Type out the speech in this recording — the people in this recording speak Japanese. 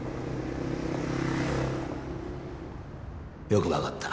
よくわかった。